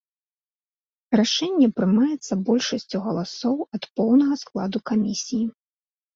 Рашэнне прымаецца большасцю галасоў ад поўнага складу камісіі.